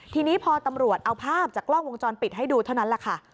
ทีนี้พอตำรวจเอาภาพจากกล้องวงจรปิดให้ดูเท่านั้นแหละค่ะ